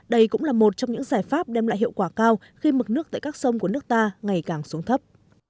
đây cũng là một trong những giải pháp đem lại hiệu quả cao khi mực nước tại các sông của nước ta ngày càng xuống thấp